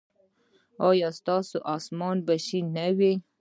ایا ستاسو اسمان به شین نه وي؟